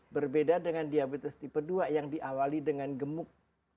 berbeda dengan diabetes tipe dua yang diawali dengan gemuk